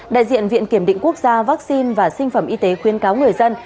đại diện viện kiểm định quốc gia vaccine và sinh phẩm y tế khuyên cáo người dân